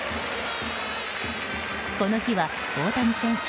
この日は大谷選手